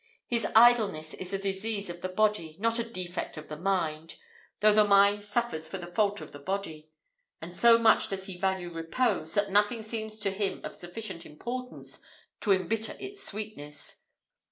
His idleness is a disease of the body, not a defect of the mind though the mind suffers for the fault of the body and so much does he value repose, that nothing seems to him of sufficient importance to embitter its sweetness.